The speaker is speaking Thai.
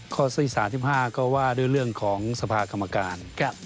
ที่๓๕ก็ว่าด้วยเรื่องของสภากรรมการ